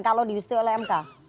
kalau diusti oleh mk